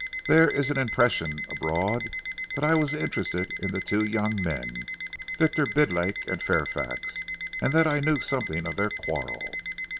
There is an impression abroad that I was interested in the two young men, Victor Bidlake and Fairfax, and that I knew something of their quarrel.